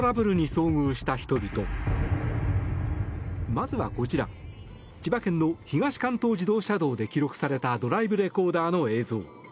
まずはこちら、千葉県の東関東自動車道で記録されたドライブレコーダーの映像。